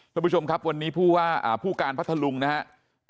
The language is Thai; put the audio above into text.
ทุกผู้ชมครับวันนี้ผู้ว่าผู้การพัทธลุงนะครับ